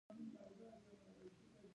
د اود پولو ته له رسېدلو سره.